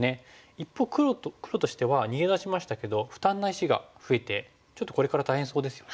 一方黒としては逃げ出しましたけど負担な石が増えてちょっとこれから大変そうですよね。